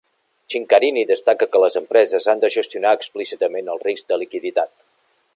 Chincarini destaca que les empreses han de gestionar explícitament el risc de liquiditat.